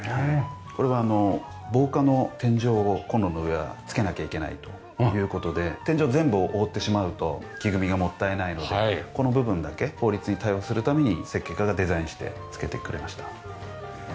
これは防火の天井をコンロの上は付けなきゃいけないという事で天井全部を覆ってしまうと木組みがもったいないのでこの部分だけ法律に対応するために設計家がデザインして付けてくれました。